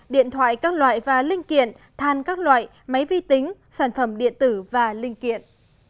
điện thoại các loại và linh kiện than các loại máy vi tính sản phẩm điện tử và linh kiện